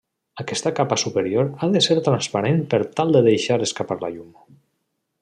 Aquesta capa superior ha de ser transparent per tal de deixar escapar la llum.